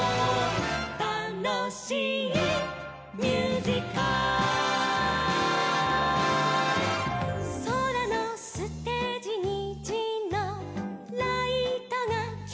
「たのしいミュージカル」「そらのステージにじのライトがきらりん」